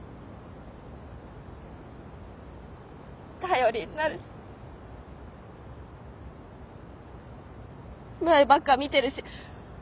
頼りになるし前ばっか見てるし。